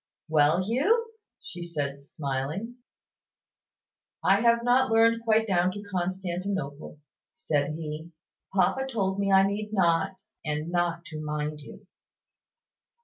"Well, Hugh!" said she, smiling. "I have not learned quite down to `Constantinople,'" said he. "Papa told me I need not, and not to mind you."